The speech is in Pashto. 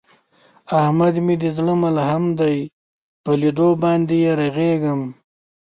احمد مې د زړه ملحم دی، په لیدو باندې یې رغېږم.